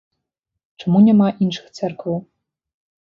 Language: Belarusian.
Чаму няма іншых цэркваў?